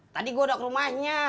tadi gue udah ke rumahnya